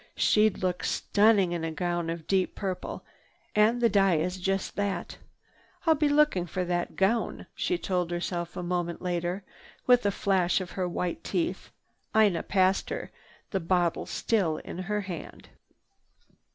"She'd look stunning in a gown of deep purple and the dye is just that. I'll be looking for that gown," she told herself as a moment later, with a flash of her white teeth, Ina passed her, the bottle still in her hand.